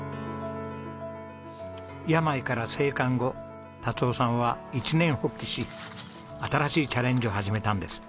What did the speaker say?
病から生還後達雄さんは一念発起し新しいチャレンジを始めたんです。